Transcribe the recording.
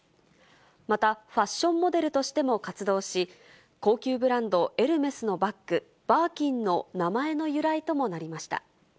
また、ファッションモデルとしても活動し、高級ブランド、エルメスのバッグ、バーキンの名前の由来ともなりました。